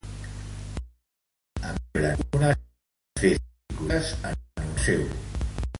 A més, se celebren unes xicotetes festes en honor seu.